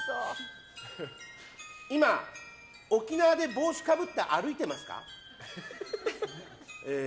今、沖縄で帽子をかぶって歩いてますか？